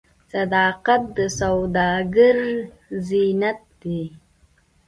صداقت د سوداګر زینت دی.